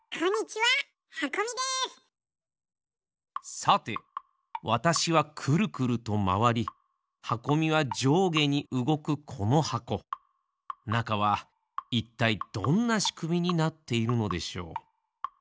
さてわたしはくるくるとまわりはこみはじょうげにうごくこのはこなかはいったいどんなしくみになっているのでしょう？